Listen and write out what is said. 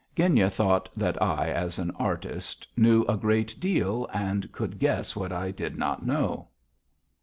Genya thought that I, as an artist, knew a great deal and could guess what I did not know.